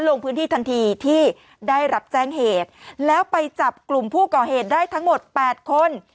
ลงพื้นที่ทันทีที่ได้รับแจ้งเหตุแล้วไปจับกลุ่มผู้ก่อเหตุได้ทั้งหมด๘คน